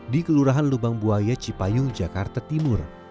di kelurahan lubang buaya cipayung jakarta timur